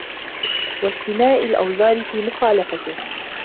وَاجْتِنَاءِ الْأَوْزَارِ فِي مُخَالَفَتِهِ